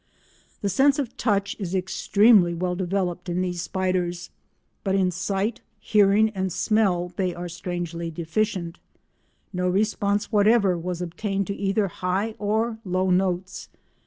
The sense of touch is extremely well developed in these spiders, but in sight, hearing and smell they are strangely deficient. No response whatever, was obtained to either high or low notes.